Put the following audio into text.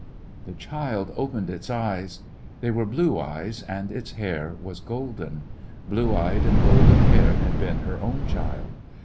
The child opened its eyes. They were blue eyes, and its hair was golden. Blue eyed and golden haired had been her own child.